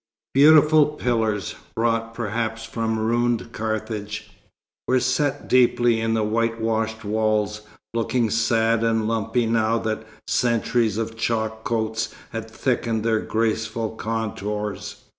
Beautiful pillars, brought perhaps from ruined Carthage, were set deeply in the whitewashed walls, looking sad and lumpy now that centuries of chalk coats had thickened their graceful contours.